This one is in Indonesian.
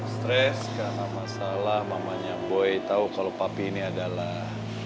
stres karena masalah mamanya boy tahu kalau papi ini adalah